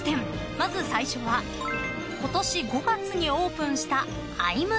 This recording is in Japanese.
［まず最初は今年５月にオープンした］